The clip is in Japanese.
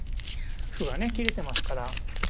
歩はね切れてますから。